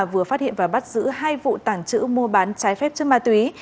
vừa phát hiện và bắt giữ hai vụ tảng trữ mua bán trái phép cho ma túy